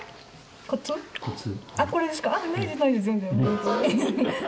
コツこれですか？